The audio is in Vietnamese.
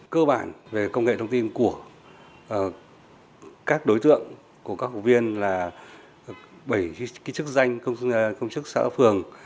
cơ bản về công nghệ thông tin của các đối tượng của các hội viên là bảy chức danh công chức xã phường